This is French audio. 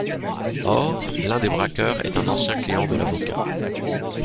Or l'un des braqueurs est un ancien client de l'avocat.